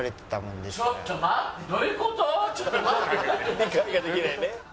理解ができないね。